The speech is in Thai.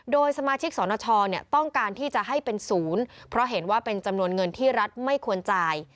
โดยสมาชิกสนชต้องการที่จะให้เป็นศูนย์เพราะเห็นว่าเป็นจำนวนเงินที่รัฐไม่ควรจ่าย